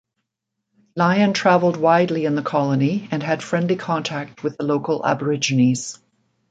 Lyon travelled widely in the colony and had friendly contact with the local aborigines.